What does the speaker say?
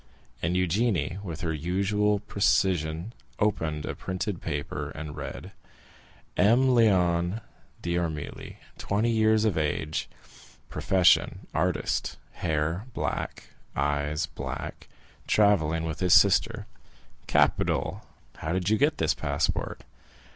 And Eugénie, with her usual precision, opened a printed paper, and read: "M. Léon d'Armilly, twenty years of age; profession, artist; hair black, eyes black; travelling with his sister." "Capital! How did you get this passport?"